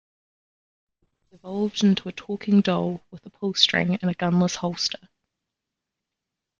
He evolved into a talking doll with a pull string and a gun-less holster.